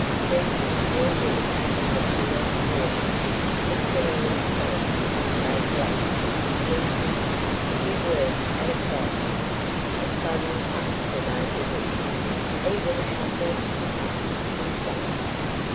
These did more good than the pure water: the pillar of smoke became blacker, denser: we were at a crisis; a sudden hush denoted it; even our hoarse skipper stood dumb.